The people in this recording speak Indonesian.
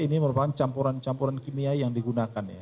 ini merupakan campuran campuran kimia yang digunakan ya